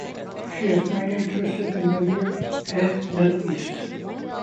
She is mainly interested in the near and Middle East.